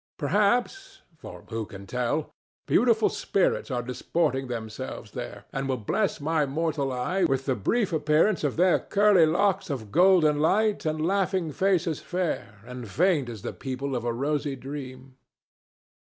Perhaps—for who can tell?—beautiful spirits are disporting themselves there, and will bless my mortal eye with the brief appearance of their curly locks of golden light and laughing faces fair and faint as the people of a rosy dream.